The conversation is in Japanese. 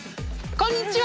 こんにちは！